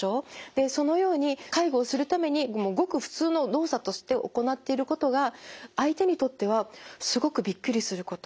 でそのように介護をするためにごく普通の動作として行っていることが相手にとってはすごくびっくりすること